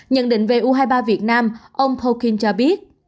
nhận định về u hai mươi ba việt nam ông pokin cho biết